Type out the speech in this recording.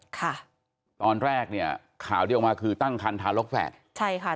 ค่ะตอนแรกเนี่ยข่าวที่ออกมาคือตั้งคันทารกแฝดใช่ค่ะ